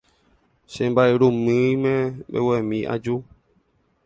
Che mba'yrumýime mbeguemi aju.